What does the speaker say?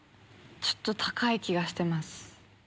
ちょっと高い気がしてます。